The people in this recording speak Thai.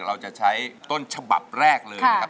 เราจะใช้ต้นฉบับแรกเลยนะครับ